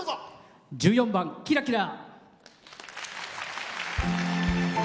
１４番「キラキラ」。